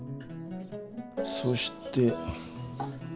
そして。